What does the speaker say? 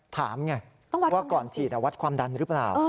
ถามไงว่าก่อนฉีดวัดความดันหรือเปล่า